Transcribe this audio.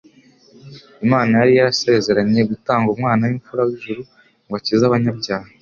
Imana yari yarasezeranye gutanga Umwana w'imfura w'ijuru ngo akize abanyabyaha